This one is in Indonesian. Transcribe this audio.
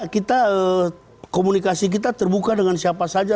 kita komunikasi kita terbuka dengan siapa saja